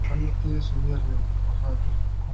Es servido con arroz blanco cocido al vapor.